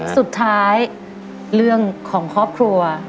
สุดท้ายเรื่องของครอบครัว